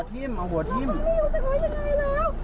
พี่มันไม่อยู่ที่ไหนมันไม่อยู่อยู่ไหน